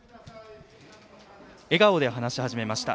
笑顔で話し始めました。